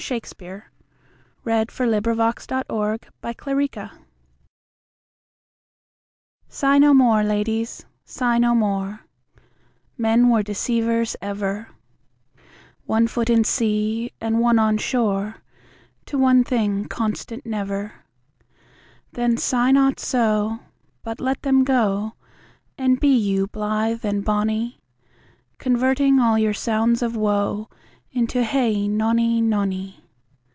"Sigh No More, Ladies..." (From "Much Ado about Nothing") Sigh no more, ladies, sigh nor more; Men were deceivers ever; One foot in sea and one on shore, To one thing constant never; Then sigh not so, But let them go, And be you blithe and bonny; Converting all your sounds of woe Into. Hey nonny, nonny.